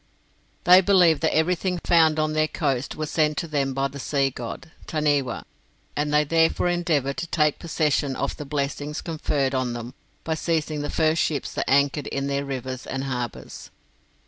They believed that everything found on their coast was sent to them by the sea god, Taniwa, and they therefore endeavoured to take possession of the blessings conferred on them by seizing the first ships that anchored in their rivers and harbours.